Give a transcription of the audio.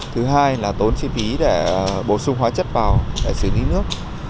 thứ hai là tốn chi phí để bổ sung hóa chất vào để xử lý nước